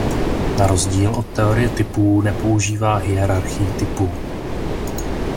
Na rozdíl od teorie typů nepoužívá hierarchii typů.